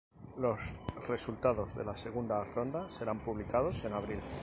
Los resultados de la segunda ronda serán publicados en abril.